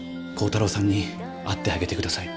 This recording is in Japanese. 耕太郎さんに会ってあげて下さい。